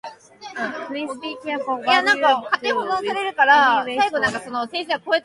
Please be careful what you do with any waste water.